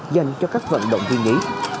dành cho các vận động viên nhí